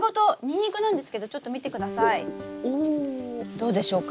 どうでしょうか？